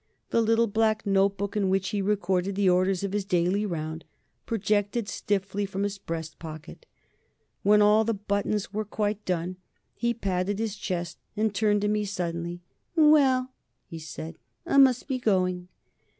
The little black notebook in which he recorded the orders of his daily round projected stiffly from his breast pocket. When all the buttons were quite done, he patted his chest and turned on me suddenly. "Well," he said, "I must be going."